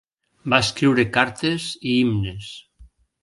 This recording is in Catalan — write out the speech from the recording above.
Va escriure cartes i himnes.